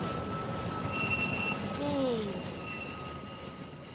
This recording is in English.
Heath used drift cards to examine how the wind influenced the shallow bays.